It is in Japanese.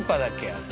あれ。